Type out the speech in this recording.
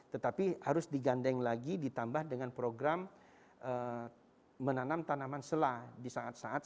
tetapi harus digandeng lagi ditambah dengan program menanam tanaman selah di saat saat